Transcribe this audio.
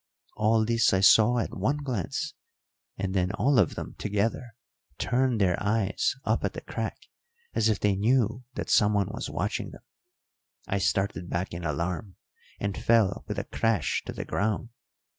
All this I saw at one glance, and then all of them together turned their eyes up at the crack as if they knew that someone was watching them. I started back in alarm, and fell with a crash to the ground.